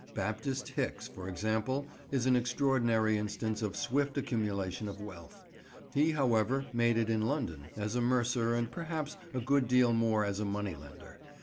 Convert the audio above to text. Baptist Hicks, for example, is an extraordinary instance of swift accumulation of wealth. He, however, made it in London, as a mercer and perhaps a good deal more as a moneylender.